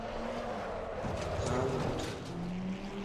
ٿال وٺ